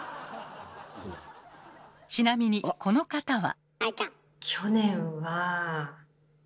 ちなみにこの方は。